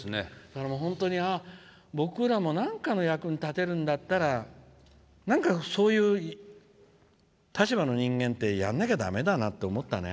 本当に僕らもなんかの役に立てるんだったらなんか、そういう立場の人間ってやんなきゃだめだなって思ったね。